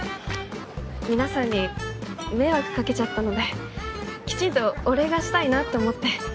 皆さんに迷惑かけちゃったのできちんとお礼がしたいなって思って。